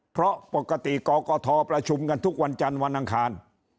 เพราะปกติกกทประชุมกันทุกวันจันทร์วันอังคาร